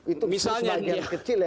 itu misalnya kecil ya